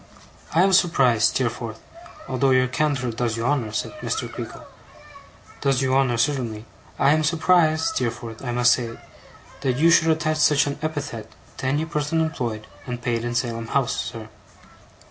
'I am surprised, Steerforth although your candour does you honour,' said Mr. Creakle, 'does you honour, certainly I am surprised, Steerforth, I must say, that you should attach such an epithet to any person employed and paid in Salem House, sir.